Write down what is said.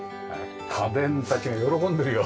家電たちが喜んでるよ。